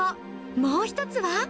もう一つは。